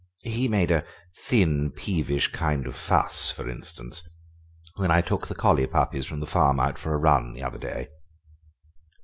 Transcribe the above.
He made a thin, peevish kind of fuss, for instance, when I took the collie puppies from the farm out for a run the other day."